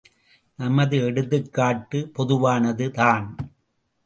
நமது எடுத்துக்காட்டு பொதுவானது தான்!